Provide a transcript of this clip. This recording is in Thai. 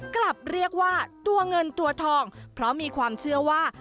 กลับเรียกว่าตัวเงินตัวทองเพราะมีความเชื่อว่า